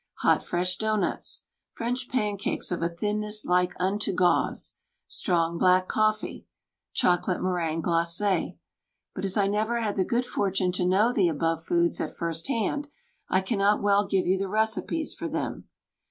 Hot fresh doughnuts. French pancakes of a thinness like unto gauze. Strong black cofFee. Chocolate meringue glace. But as I never had the good fortune to know the above WRITTEN FOR MEN BY MEN foods at first hand, I cannot well give you the recipes for them.